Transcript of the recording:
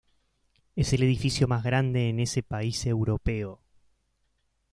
Es el edificio más grande en ese país europeo.